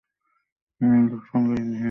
নীলুর সঙ্গে এই নিয়ে আলাপ করতে ইচ্ছে করে।